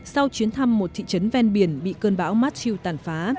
sau chuyến thăm một thị trấn ven biển bị cơn bão matchu tàn phá